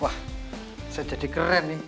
wah saya jadi keren nih